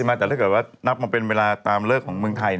แต่ถ้าเกิดว่านับมาเป็นเวลาตามเลิกของเมืองไทย